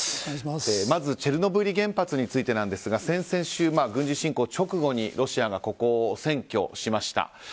まずチェルノブイリ原発についてですが先々週、軍事侵攻直後にロシアがここを占拠しました。